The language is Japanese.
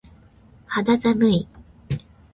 肌寒い。